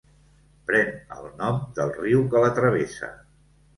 Pren el nom del riu que la travessa.